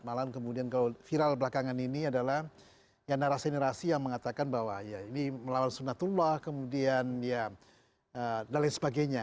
malah kemudian kalau viral belakangan ini adalah ya narasi narasi yang mengatakan bahwa ya ini melawan sunatullah kemudian ya dan lain sebagainya